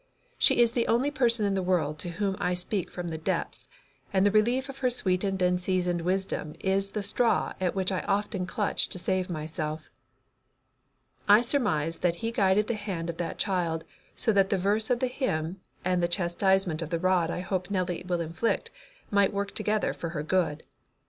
She is the only person in the world to whom I speak from the depths, and the relief of her sweetened and seasoned wisdom is the straw at which I often clutch to save myself. "I surmise that He guided the hand of that child so that the verse of the hymn, and the chastisement of the rod I hope Nellie will inflict, might work together for her good.